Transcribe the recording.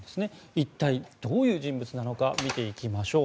一体どういう人物なのか見ていきましょう。